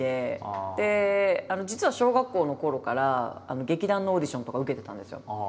実は小学校のころから劇団のオーディションとか受けてたんですよ。